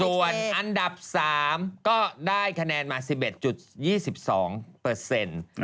ส่วนอันดับ๓ก็ได้คะแนนมา๑๑๒๒เปอร์เซ็นต์